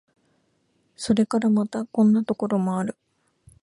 それからまた、こんなところもある。